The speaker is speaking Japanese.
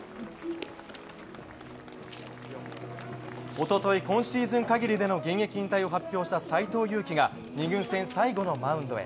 一昨日、今シーズン限りでの現役引退を発表した斎藤佑樹が２軍戦最後のマウンドへ。